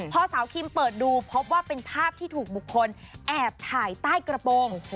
พอสาวคิมเปิดดูพบว่าเป็นภาพที่ถูกบุคคลแอบถ่ายใต้กระโปรง